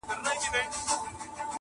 • د حاجتمندو حاجتونه راځي -